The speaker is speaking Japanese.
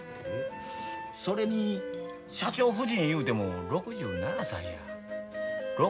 それに社長夫人いうても６７歳や。